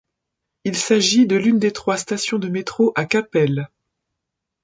Il s'agit de l'une des trois stations de métro à Capelle.